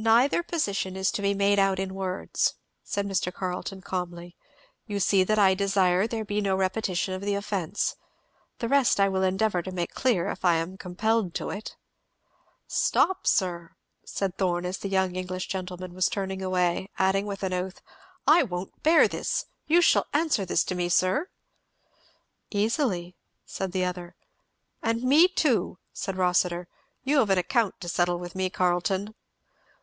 "Neither position is to be made out in words," said Mr. Carleton calmly. "You see that I desire there be no repetition of the offence. The rest I will endeavour to make clear if I am compelled to it." "Stop, sir!" said Thorn, as the young Englishman was turning away, adding with an oath, "I won't bear this! You shall answer this to me, sir!" "Easily," said the other. "And me too," said Rossitur. "You have an account to settle with me, Carleton."